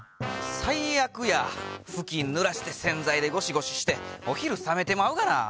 最悪やふきんぬらして洗剤でゴシゴシしてお昼冷めてまうがな。